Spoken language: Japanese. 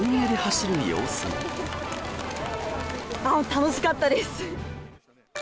楽しかったです！